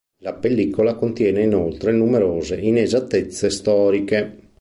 La pellicola contiene inoltre numerose inesattezze storiche.